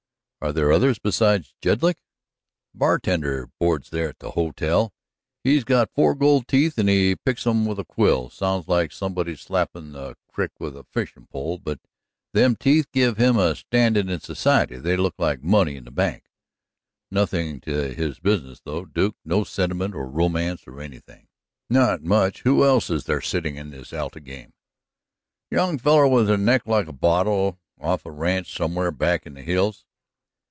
"Are there others besides Jedlick?" "That bartender boards there at the ho tel. He's got four gold teeth, and he picks 'em with a quill. Sounds like somebody slappin' the crick with a fishin' pole. But them teeth give him a standin' in society; they look like money in the bank. Nothing to his business, though, Duke; no sentiment or romance or anything." "Not much. Who else is there sitting in this Alta game?" "Young feller with a neck like a bottle, off of a ranch somewhere back in the hills."